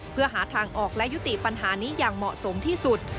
เพื่อหาทางออกและยุติปัญหานี้อย่างเหมาะสมที่สุด